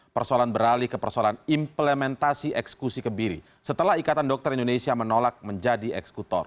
persoalan beralih ke persoalan implementasi eksekusi kebiri setelah ikatan dokter indonesia menolak menjadi eksekutor